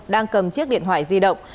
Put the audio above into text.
đang cầm chiếc điện thoại di động